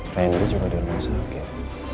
kliennya juga di rumah sakit